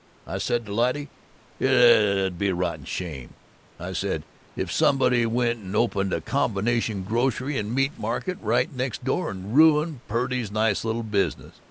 I said to Lyte, 'It'd be a rotten shame,' I said, 'if somebody went and opened a combination grocery and meat market right next door and ruined Purdy's nice little business.